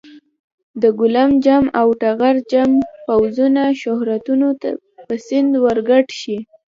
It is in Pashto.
د ګیلم جم او ټغر جم پوځونه شهوتونو په سیند ورګډ شي.